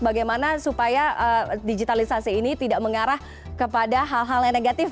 bagaimana supaya digitalisasi ini tidak mengarah kepada hal hal yang negatif